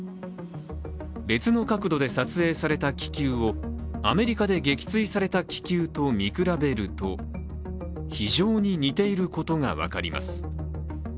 別の角度で撮影された気球をアメリカで撃墜された気球と見比べると非常に似ていることが分かります。